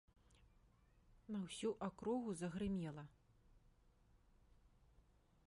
На ўсю акругу загрымела.